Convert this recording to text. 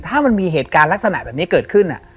ถ้ามันมีเหตุการณ์ลักษณะแบบนี้เกิดขึ้น